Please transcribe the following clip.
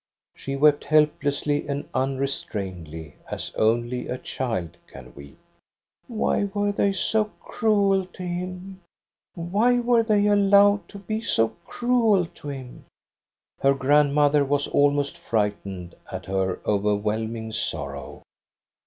She wept help lessly and unrestrainedly, as only a child can weep. "* Why were they so cruel to him ? Why were they allowed to be so cruel to him }*" Her grandmother was almost frightened at her overwhelming sorrow.